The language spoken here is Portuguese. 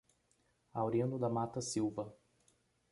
Aurino da Mata Silva